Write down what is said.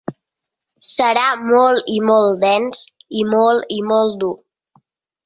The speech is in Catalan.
Serà molt i molt dens i molt i molt dur.